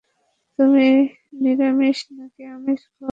তুমি নিরামিষ নাকি আমিষ খাবার চাও?